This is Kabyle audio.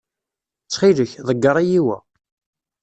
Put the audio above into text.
Ttxil-k, ḍeyyer-iyi wa.